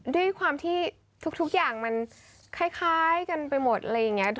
ด้วยความที่ทุกอย่างมันคล้ายกันไปหมดอะไรอย่างนี้